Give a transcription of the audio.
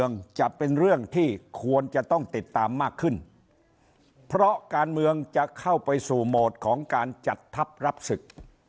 สวัสดีครับท่านผู้ชมครับวันนี้วันที่๑๗ตุลาห์